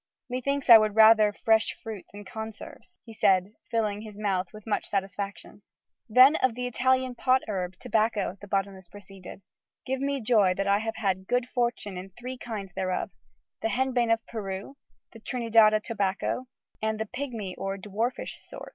"Methinks I would rather fresh fruit than conserves," said he, filling his mouth with much satisfaction. "Then, of the Indian pot herb, tobacco," the botanist proceeded, "give me joy that I have had good fortune in three kinds thereof, the Henbane of Peru, the Trinidada Tobacco, and the pigmy or dwarfish sort.